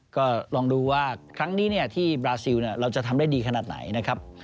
ก็ลองดูว่าครั้งนี้ที่บราซิลเราจะทำได้ดีขนาดไหนนะครับ